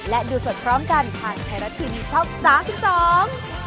และดูสดพร้อมกันทางแฮร่าทีมีช่องสตาร์ทสิบสอง